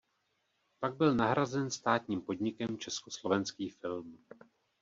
Pak byl nahrazen státním podnikem Československý film.